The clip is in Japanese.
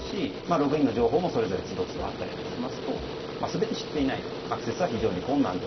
ログインの情報も都度あったりしますと全て知っていないとアクセスは非常に困難と。